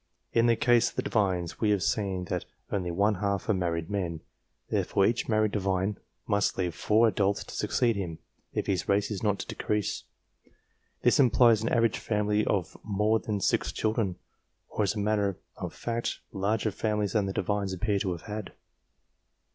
In the case of the Divines, we have seen that only one half are married men ; therefore each married Divine must leave 4 adults to succeed him, if his race is not to decrease. This implies an average family of more than 6 children, or, as a matter of fact, larger families than the Divines appear to have had.